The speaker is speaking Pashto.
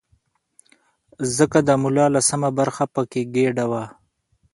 ځکه د ملا لسمه برخه په کې ګډه وه.